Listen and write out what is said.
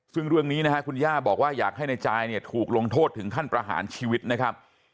ซึ่งเรื่องนี้นะฮะคุณย่าบอกว่าอยากให้นายจายเนี่ยถูกลงโทษถึงขั้นประหารชีวิตนะครับ